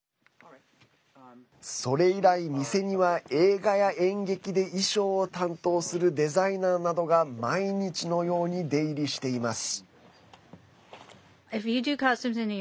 それ以来、店には映画や演劇で衣装を担当するデザイナーなどが毎日のように出入りしています。